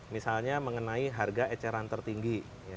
misalnya mengenai harga eceran tertinggi